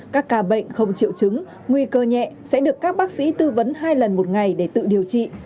các ca bệnh không triệu chứng nguy cơ nhẹ sẽ được các bác sĩ tư vấn hai lần một ngày để tự điều trị